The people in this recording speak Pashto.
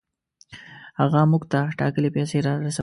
هغه موږ ته ټاکلې پیسې را رسولې.